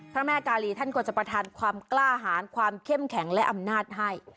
พระแม่กาลีท่านก็จะประทานความกล้าหารความเข้มแข็งและอำนาจให้